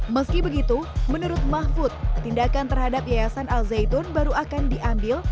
meski begitu menurut mahfud tindakan terhadap yayasan al zaitun baru akan diambil